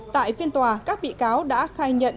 tại phiên tòa các bị cáo đã khai nhận